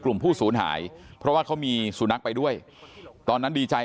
ผู้ศูนย์หายเพราะว่าเขามีสุนัขไปด้วยตอนนั้นดีใจ